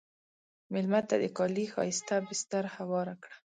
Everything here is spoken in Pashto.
مېلمه ته د کالي ښایسته بستر هوار کړه.